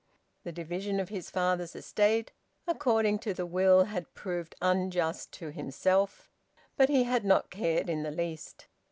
The division of his father's estate according to the will had proved unjust to himself; but he had not cared in the least.